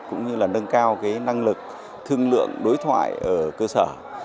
cũng như là nâng cao năng lực thương lượng đối thoại ở cơ sở